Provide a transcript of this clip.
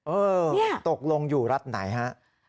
เออตกลงอยู่รัฐไหนฮะ